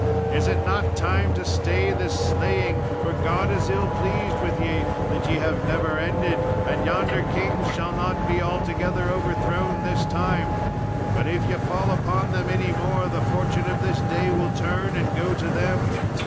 Is it not time to stay this slaying? for God is ill pleased with ye that ye have never ended, and yonder kings shall not be altogether overthrown this time. But if ye fall upon them any more, the fortune of this day will turn, and go to them.